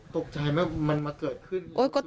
ตกใจไหมมันมาเกิดขึ้น